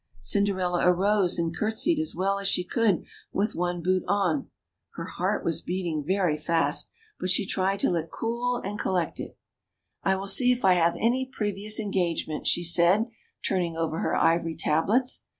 Cinderella arose and courtesied as well as she could with one boot on ; her heart was beating very fast, but she tried to look cool and collected. "1 will see if I have any previous engagement," she said, turning over her ivory tablets.